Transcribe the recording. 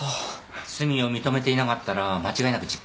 罪を認めていなかったら間違いなく実刑。